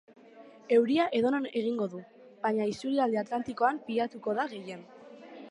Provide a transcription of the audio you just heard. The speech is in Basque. Euria edonon egingo du, baina isurialde atlantikoan pilatuko da gehien.